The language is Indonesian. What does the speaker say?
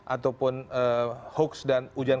ataupun hoax dan ujian